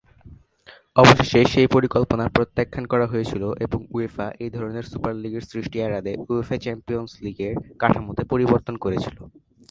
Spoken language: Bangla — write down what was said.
অবশেষে সেই পরিকল্পনা প্রত্যাখ্যান করা হয়েছিল এবং উয়েফা এই ধরনের সুপার লীগের সৃষ্টি এড়াতে উয়েফা চ্যাম্পিয়নস লীগের কাঠামোতে পরিবর্তন করেছিল।